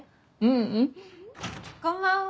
ううん。こんばんは！